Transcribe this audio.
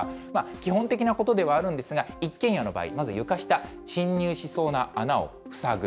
基本的なことではあるんですが、一軒家の場合、まず床下、侵入しそうな穴を塞ぐ。